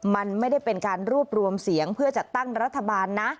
มันไม่ได้เป็นการรวบรวมเสียงเพื่อจัดตั้งรัฐบาลนะ